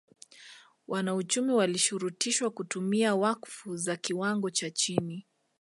Wanauchumi walishurutishwa kutumia wakfu za kiwango cha chini